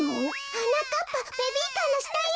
はなかっぱベビーカーのしたよ！